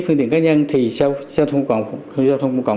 phương tiện cá nhân thì giao thông công cộng